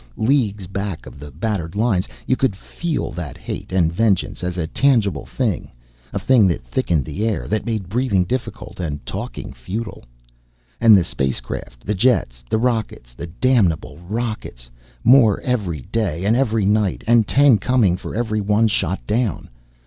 Leagues back of the battered lines, you could feel that hate and vengeance as a tangible thing, a thing that thickened the air, that made breathing difficult and talking futile. And the spacecraft, the jets, the rockets, the damnable rockets, more every day and every night, and ten coming for every one shot down.